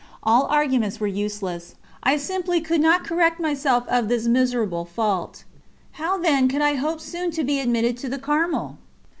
All arguments were useless. I simply could not correct myself of this miserable fault. How, then, could I hope soon to be admitted to the Carmel?